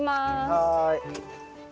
はい。